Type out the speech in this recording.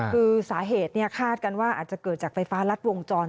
คือสาเหตุคาดกันว่าอาจจะเกิดจากไฟฟ้ารัดวงจร